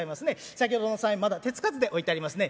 先ほどの３円まだ手付かずで置いてありますね」。